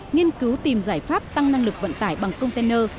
nghiên cứu tìm giải pháp tăng năng lực vận tải bằng container